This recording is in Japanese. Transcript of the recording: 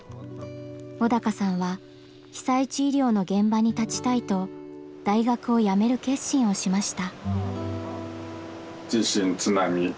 小鷹さんは被災地医療の現場に立ちたいと大学を辞める決心をしました。